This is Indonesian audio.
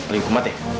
lalu hukum mati